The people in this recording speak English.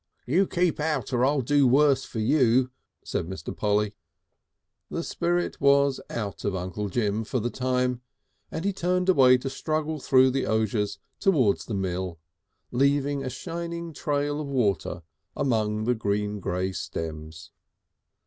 "You keep off or I'll do worse to you," said Mr. Polly. The spirit was out of Uncle Jim for the time, and he turned away to struggle through the osiers towards the mill, leaving a shining trail of water among the green grey stems.